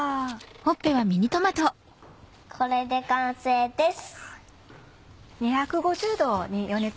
これで完成です。